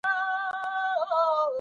وياړ د هغه چا دی چي هیواد ته خدمت کوي.